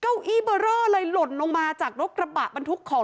เก้าอี้เบอร์เรอเลยหล่นลงมาจากรถกระบะบรรทุกของ